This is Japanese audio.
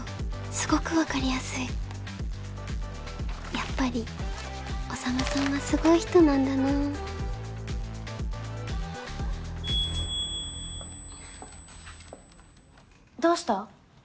すごく分かりやすいやっぱり宰さんはすごい人なんだなあどうした？